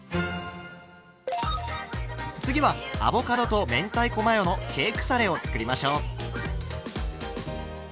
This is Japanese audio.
次はアボカドと明太子マヨのケークサレを作りましょう。